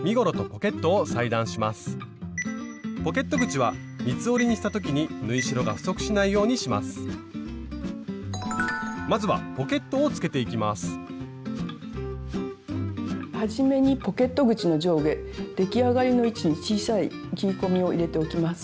ポケット口は三つ折りにした時に縫い代が不足しないようにしますはじめにポケット口の上下出来上がりの位置に小さい切り込みを入れておきます。